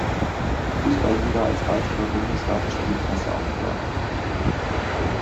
Fußball-Liga als weitere bundesweite Spielklasse aufgenommen.